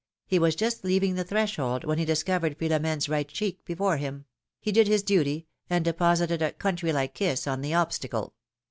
He was just leaving the threshold when he dis covered Philomene^s right cheek before him; he did his duty, and deposited a country like kiss on the obstacle.